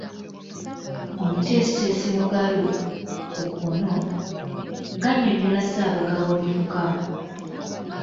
Omuteesiteesi Mugalu (ku kkono) ng'annyonnyola Ssaabagabo Lufuka.